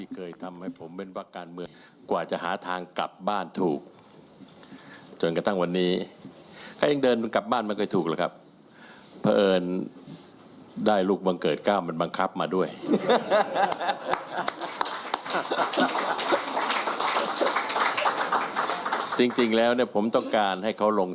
เขาก็แบบพ่ออย่ามายุ่งกับผมจ้ะ